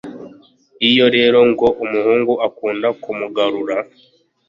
Iyo rero ngo umuhungu ukunda kumugarura